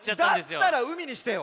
だったら「うみ」にしてよ。